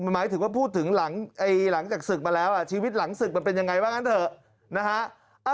หมายถึงว่าพูดถึงหลังจากศึกมาแล้วชีวิตหลังศึกมันเป็นยังไงว่างั้นเถอะนะฮะ